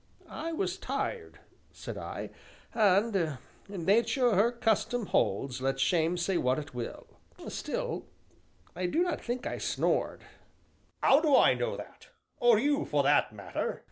"I was tired," said I, "and 'Nature her custom holds, let shame say what it will,' still I do not think I snored." "'Ow do I know that or you, for that matter?"